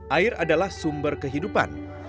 air adalah sumber kehidupan